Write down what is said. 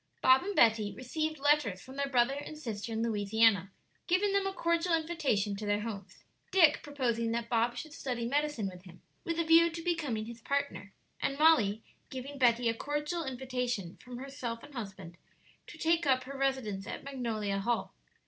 Bob and Betty received letters from their brother and sister in Louisiana, giving them a cordial invitation to their homes, Dick proposing that Bob should study medicine with him, with a view to becoming his partner, and Molly giving Betty a cordial invitation from herself and husband to take up her residence at Magnolia Hall.